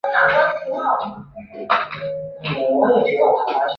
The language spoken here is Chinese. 望谟崖摩为楝科崖摩属下的一个种。